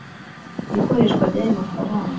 Ikoreshwa ry ayo mafaranga